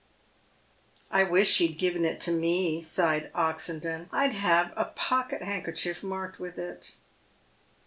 " I wish she'd give it to me," sighed Oxendon ;" I'd have a pocket handkerchief marked with it."